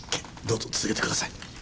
どうぞ続けてください。